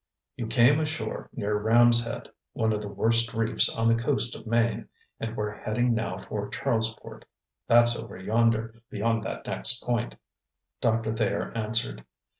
"You came ashore near Ram's Head, one of the worst reefs on the coast of Maine; and we're heading now for Charlesport; that's over yonder, beyond that next point," Doctor Thayer answered.